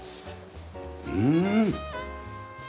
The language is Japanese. うん。